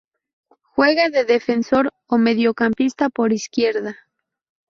Juega de defensor o mediocampista por izquierda.